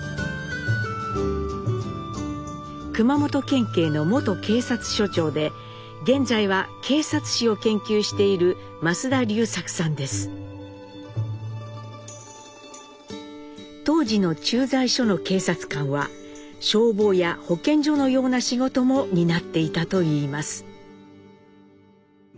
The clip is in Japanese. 熊本県警の元警察署長で現在は警察史を研究している当時の駐在所の警察官は消防や保健所のような仕事も担っていたといいます。